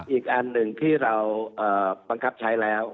อีกอันหนึ่งที่เราบังคับใช้แล้ว